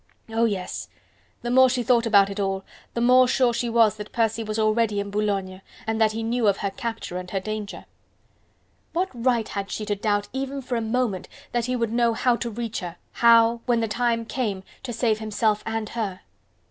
Oh yes! the more she thought about it all, the more sure was she that Percy was already in Boulogne, and that he knew of her capture and her danger. What right had she to doubt even for a moment that he would know how to reach her, how when the time came to save himself and her?